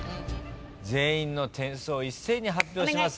全員の点数を一斉に発表します。